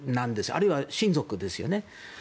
あるいは親族ですよね。